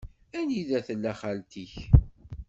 Anida tella xalti-k?